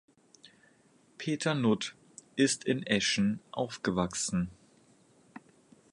Peter Nutt ist in Eschen aufgewachsen.